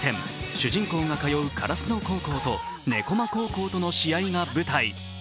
主人公が通う烏野高校と音駒高校との試合が舞台。